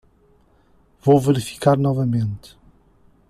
Vou verificar novamente.